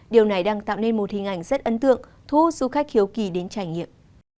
điều này đang tạo nên một hình ảnh rất ấn tượng thu hút du khách hiếu kỳ đến trải nghiệm